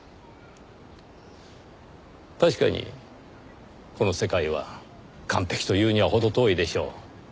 確かにこの世界は完璧というには程遠いでしょう。